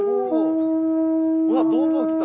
あっどんどん来た。